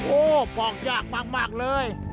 โอ้โหฟอกยากมากเลย